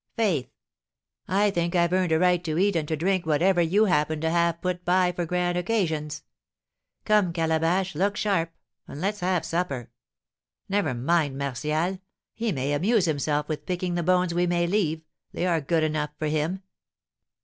Faith! I think I've earned a right to eat and to drink whatever you happen to have put by for grand occasions. Come, Calabash, look sharp, and let's have supper. Never mind Martial, he may amuse himself with picking the bones we may leave; they are good enough for him.